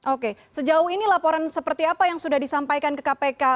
oke sejauh ini laporan seperti apa yang sudah disampaikan ke kpk